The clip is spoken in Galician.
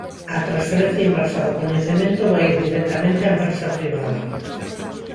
A transferencia inversa do coñecemento vai ir directamente á empresa privada.